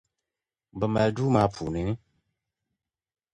Bɛ mali duu maa puuni?